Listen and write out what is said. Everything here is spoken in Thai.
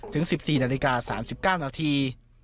ถึง๑๔นาฬิกา๓๙นาที